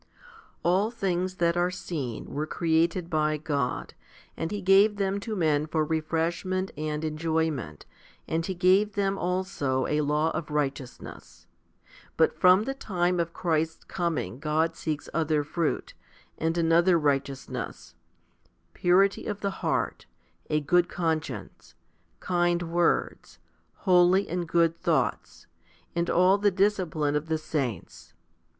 i. ALL things that are seen were created by God, and He gave them to men for refreshment and enjoyment, and He gave them also a law of righteousness. But from the time of Christ's coming God seeks other fruit, and another righteousness, purity of the heart, a good conscience, kind words, holy and good thoughts, and all the discipline of the saints.